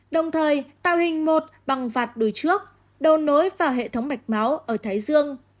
đồng thời tạo hình một bằng vạt đùi trước đầu nối vào hệ thống mạch máu ở thái dương